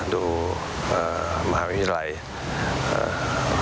ดูมหาวิทยาลัย